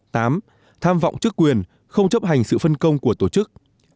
tham vọng chức quyền không chấp hành sự phân công của tổ chức